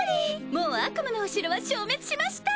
もう悪夢のお城は消滅しました！